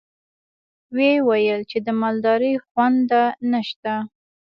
ويې ويل چې د مالدارۍ خونده نشته.